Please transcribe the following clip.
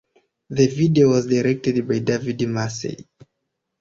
The video was directed by David Massey.